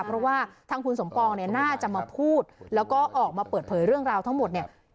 เพราะว่าทางคุณสมปองเนี่ยน่าจะมาพูดแล้วก็ออกมาเปิดเผยเรื่องราวทั้งหมดเนี่ย